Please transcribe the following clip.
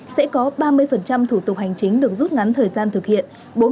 sẽ có ba mươi thủ tục hành chính được rút ngắn thời gian thực hiện